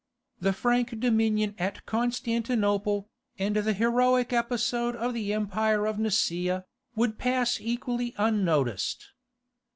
The Frank dominion at Constantinople, and the heroic episode of the Empire of Nicaea, would pass equally unnoticed.